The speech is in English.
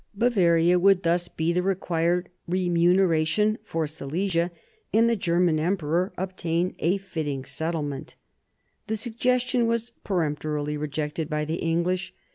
Bavaria would thus be the required remuneration for Silesia, and the German emperor obtain a fitting settlement The suggestion was peremptorily rejected by the English.